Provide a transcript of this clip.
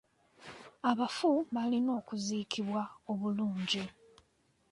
Abafu balina okuziikibwa obulungi.